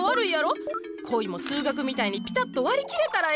恋も数学みたいにピタッと割り切れたらええのに。